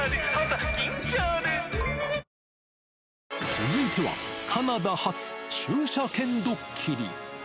続いては、カナダ発駐車券ドッキリ。